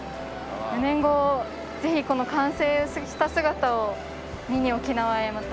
４年後ぜひこの完成した姿を見に沖縄へまた。